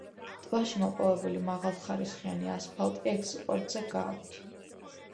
ტბაში მოპოვებული მაღალხარისხიანი ასფალტი ექსპორტზე გააქვთ.